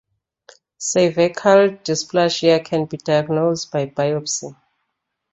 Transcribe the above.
Cervical dysplasia can be diagnosed by biopsy.